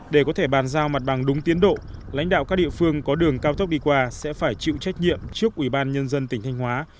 để có thể bàn giao mặt bằng đúng tiến độ lãnh đạo các địa phương có đường cao tốc đi qua sẽ phải chịu trách nhiệm trước ubnd tỉnh thanh hóa